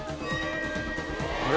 「あれ？」